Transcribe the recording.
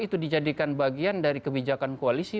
itu dijadikan bagian dari kebijakan koalisi